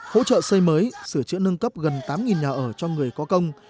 hỗ trợ xây mới sửa chữa nâng cấp gần tám nhà ở cho người có công